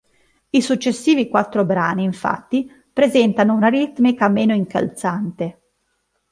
I successivi quattro brani, infatti, presentano una ritmica meno incalzante.